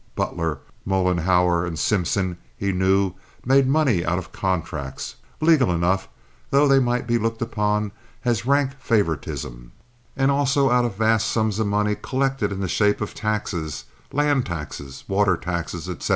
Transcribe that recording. Butler, Mollenhauer, and Simpson, he knew, made money out of contracts—legal enough, though they might be looked upon as rank favoritism—and also out of vast sums of money collected in the shape of taxes—land taxes, water taxes, etc.